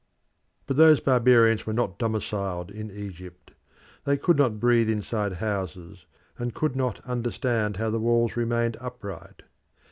But those barbarians were not domiciled in Egypt. They could not breathe inside houses, and could not understand how the walls remained upright.